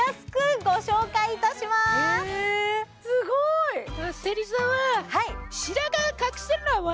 すごーい！